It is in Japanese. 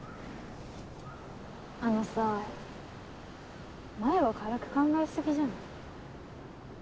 あのさあまいは軽く考えすぎじゃない？